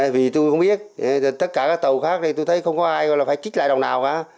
vì tôi không biết tất cả các tàu khác tôi thấy không có ai phải chích lại đồng nào cả